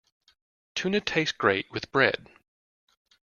Tuna tastes great with bread.